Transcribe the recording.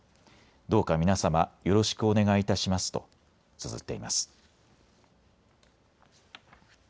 どうか皆様、よろしくお願い致しますとつづっています。